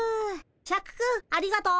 シャクくんありがとう。